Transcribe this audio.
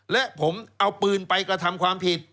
และผมเอาปืนไปกระทำความผิด